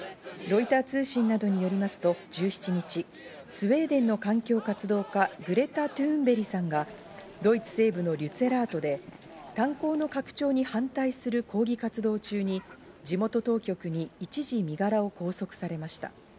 ロイター通信などによりますと１７日、スウェーデンの環境活動家、グレタ・トゥーンベリさんがドイツ西部のリュツェラートで炭鉱の拡張に反対する抗議活動中に、地元当局に一時、身柄を拘束されました。